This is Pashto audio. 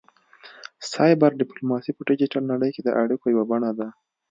سایبر ډیپلوماسي په ډیجیټل نړۍ کې د اړیکو یوه بڼه ده